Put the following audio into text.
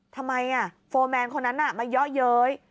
โฟร์แมนคนนั้นมาเยอะเย้ย